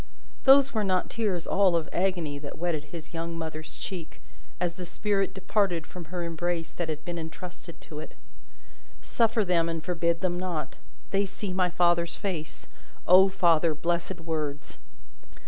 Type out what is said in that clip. those were not tears all of agony that wetted his young mother's cheek, as the spirit departed from her embrace that had been entrusted to it. Suffer them and forbid them not. They see my Father's face. O Father, blessed words!